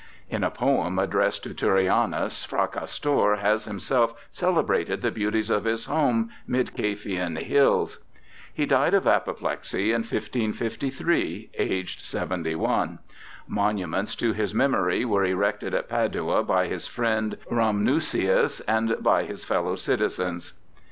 In a poem addressed to Turrianus, Fracastor has himself celebrated the beauties of his home 'mid Caphian hills'. He died of apoplexy in 1553, aged seventy one. Monuments to his memory were erected at Padua by his friend Rhamnusius and by his fellow citizens.